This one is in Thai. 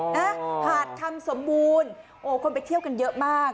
หาดคำสมบูรณ์โอ้คนไปเที่ยวกันเยอะมาก